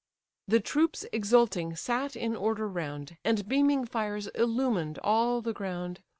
The troops exulting sat in order round, And beaming fires illumined all the ground.